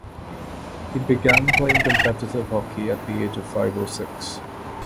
He began playing competitive hockey at the age of five or six.